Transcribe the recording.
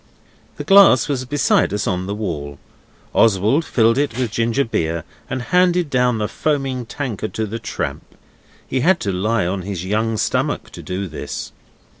The glass was beside us on the wall. Oswald filled it with ginger beer and handed down the foaming tankard to the tramp. He had to lie on his young stomach to do this.